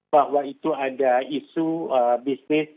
bahwa itu ada isu bisnis